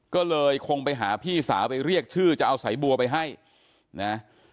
ก็เลยคงไปหาพี่สาวไปเรียกชื่อจะเอาสายบัวไปให้นะ